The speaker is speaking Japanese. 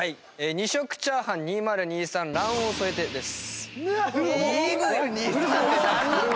「２食炒飯２０２３卵黄を添えて」です。